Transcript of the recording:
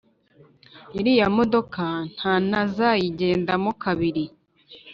iriya modoka ntanazayigendamokabiri